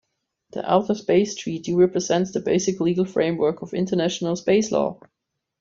The Outer Space Treaty represents the basic legal framework of international space law.